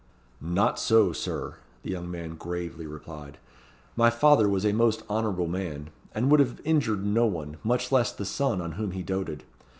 "Not so, Sir," the young man gravely replied; "my father was a most honourable man, and would have injured no one, much less the son on whom he doated.